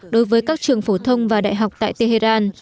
đối với các trường phổ thông và đại học tại tehran